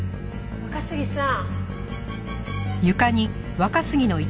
若杉さん？